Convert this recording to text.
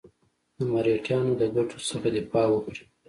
د مرهټیانو د ګټو څخه دفاع وکړي.